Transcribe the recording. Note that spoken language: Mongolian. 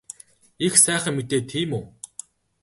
Их сайхан мэдээ тийм үү?